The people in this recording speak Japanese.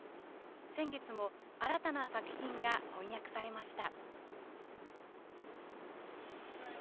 先月も新たな作品が翻訳されました。